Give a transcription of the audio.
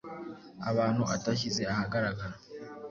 abantu atashyize ahagaragara